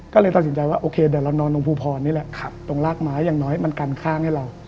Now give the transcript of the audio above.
ก็เลยตัดสินใจว่าโอเคเดี๋ยวเรานอนตรงภูพรนี่แหละตรงรากไม้อย่างน้อยมันกันข้างให้เรา